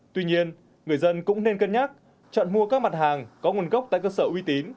tuy nhiên người dân cũng nên cân nhắc chọn mua các mặt hàng có nguồn gốc tại cơ sở uy tín